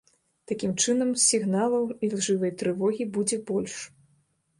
Такім чынам, сігналаў ілжывай трывогі будзе больш.